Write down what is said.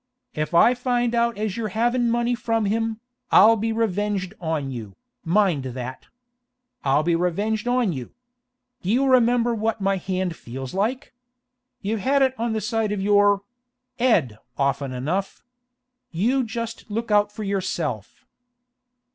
If I find out as you're havin' money from him, I'll be revenged on you, mind that! I'll be revenged on you! D'you remember what my hand feels like? You've had it on the side of your —— 'ed often enough. You just look out for yourself!